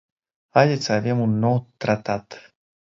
Haideți să avem un nou tratat.